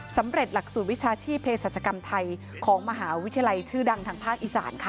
หลักสูตรวิชาชีพเพศรัชกรรมไทยของมหาวิทยาลัยชื่อดังทางภาคอีสานค่ะ